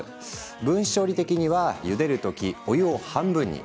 分子調理的にはゆでる時、お湯を半分に。